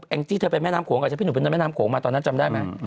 แองจิเธอไปแม่น้ำโขงกับพี่หนุ่มไปแม่น้ำโขงมาตอนนั้นจำได้ไหม